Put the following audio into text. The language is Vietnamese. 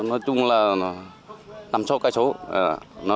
nói chung là nằm sau cái số